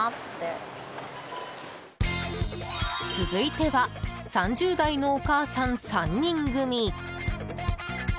続いては３０代のお母さん３人組。